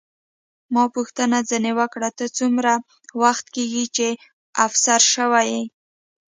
ما پوښتنه ځیني وکړه، ته څومره وخت کېږي چې افسر شوې یې؟